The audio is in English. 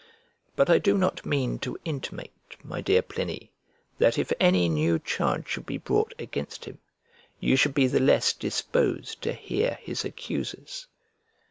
But I do not mean to intimate, my dear Pliny, that if any new charge should be brought against him, you should be the less disposed to hear his accusers.